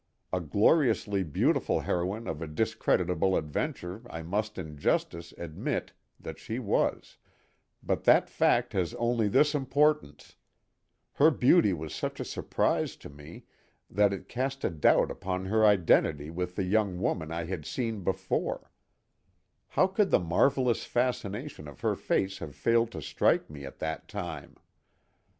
A gloriously beautiful heroine of a discreditable adventure I must in justice admit that she was; but that fact has only this importance: her beauty was such a surprise to me that it cast a doubt upon her identity with the young woman I had seen before; how could the marvelous fascination of her face have failed to strike me at that time?